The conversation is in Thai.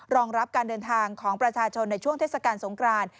รองรับการเดินทางของประชาชนในช่วงเทศกาลสงคราน